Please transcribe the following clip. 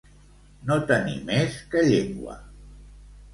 No tenir més que llengua.